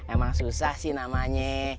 emang susah sih namanya